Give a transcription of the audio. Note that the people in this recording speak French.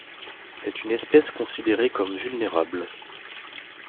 C'est une espèce considérée comme vulnérable.